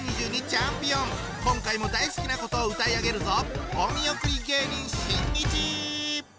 今回も大好きなことを歌い上げるぞ！